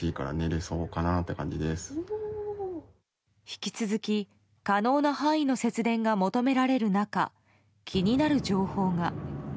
引き続き、可能な範囲の節電が求められる中気になる情報が。